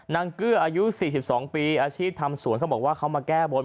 เกื้ออายุ๔๒ปีอาชีพทำสวนเขาบอกว่าเขามาแก้บน